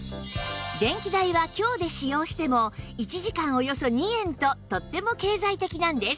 電気代は強で使用しても１時間およそ２円ととっても経済的なんです